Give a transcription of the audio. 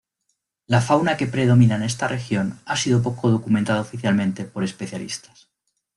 La fauna que predomina en esta región ha sido poco documentada oficialmente por especialistas.